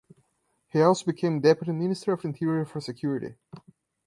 He also became Deputy Minister of Interior for security.